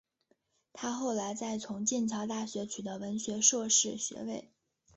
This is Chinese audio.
她后来再从剑桥大学取得文学硕士学位。